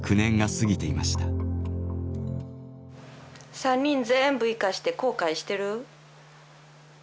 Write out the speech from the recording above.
３人全部行かして後悔してる？